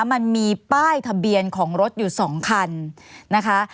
มันมีป้ายทะเบียนของรถอยู่๒คันนะคะ